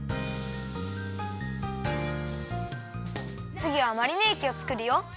つぎはマリネえきをつくるよ。